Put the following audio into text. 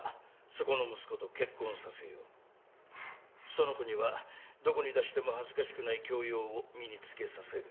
その子にはどこに出しても恥ずかしくない教養を身に付けさせる。